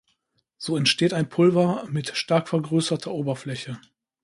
So entsteht ein Pulver mit stark vergrößerter Oberfläche.